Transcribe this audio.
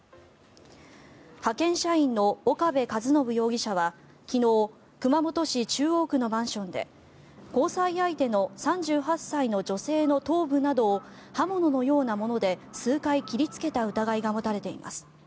派遣社員の岡部一伸容疑者は昨日熊本市中央区のマンションで交際相手の３８歳の女性の頭部などを刃物のようなもので数回切りつけた疑いが持たれています。